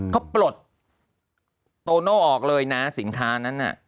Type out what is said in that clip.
เขาปลดโตโน่ออกเลยนะสินค้านั้นน่ะ